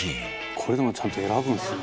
「これでもちゃんと選ぶんですね」